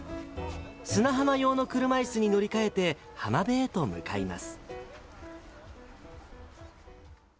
砂浜用の車いすに乗り換えて、浜辺へと向かいます。